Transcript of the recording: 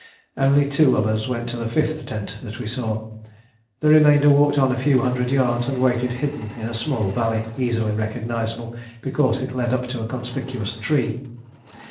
Only two of us went to the fifth tent that we saw. The remainder walked on a few hundred yards, and waited hidden in a small valley, easily recognisable, because it led up to a conspicuous tree.